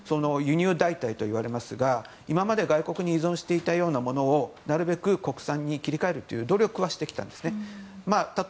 輸入代替と言われますがこれまで外国に依存していたようなものをなるべく国産に切り替えるという努力はしてきたんですね。